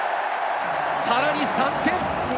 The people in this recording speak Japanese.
さらに３点。